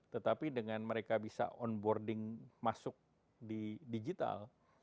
tetapi dengan mereka bisa on boarding masuk di digital